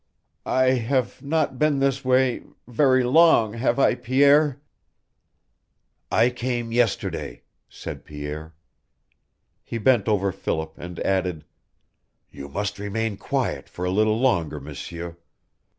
"I have not been this way very long, have I, Pierre?" "I came yesterday," said Pierre. He bent over Philip, and added: "You must remain quiet for a little longer, M'sieur.